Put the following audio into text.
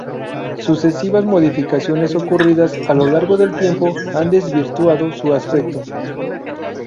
Sucesivas modificaciones ocurridas a lo largo del tiempo han desvirtuado su aspecto.